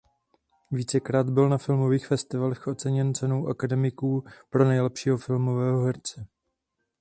Vícekrát byl na filmových festivalech oceněn Cenou akademiků pro nejlepšího filmového herce.